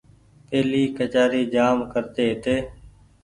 پيهلي ڪچآري جآم ڪرتي هيتي۔